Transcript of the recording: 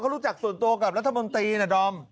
รู้จักส่วนตัวกับรัฐมนตรีนะดอม